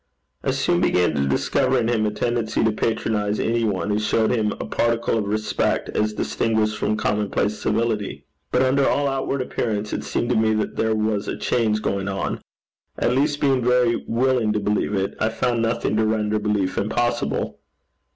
I soon began to discover in him a tendency to patronize any one who showed him a particle of respect as distinguished from common place civility. But under all outward appearances it seemed to me that there was a change going on: at least being very willing to believe it, I found nothing to render belief impossible.